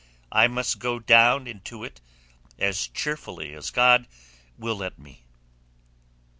I must go down into it as cheerfully as God will let me."